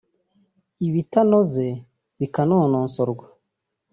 ibitanoze bikanononsorwa